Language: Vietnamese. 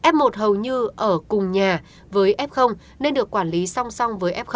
f một hầu như ở cùng nhà với f nên được quản lý song song với f